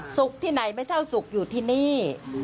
ที่ไหนไม่เท่าสุกอยู่ที่นี่